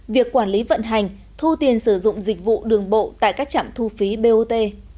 việc quản lý vận hành thu tiền sử dụng dịch vụ đường bộ tại các trạm thu phí bot